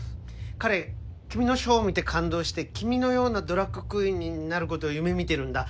彼君のショー見て感動して君のようなドラァグクイーンになることを夢見てるんだ。